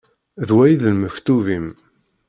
D wa i d lmektub-im.